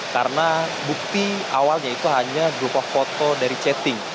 karena bukti awalnya itu hanya grup foto dari chatting